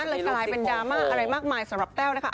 เลยกลายเป็นดราม่าอะไรมากมายสำหรับแต้วนะคะ